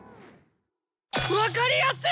分かりやすい！